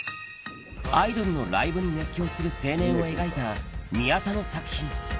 アイドルのライブに熱狂する青年を描いた宮田の作品。